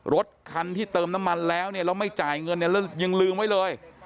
รถคันที่เติมน้ำมันแล้วเนี่ยแล้วไม่จ่ายเงินเนี่ยแล้วยังลืมไว้เลย